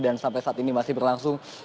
dan sampai saat ini masih berlangsung